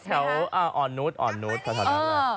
ที่แถวออนนุทสถานการณ์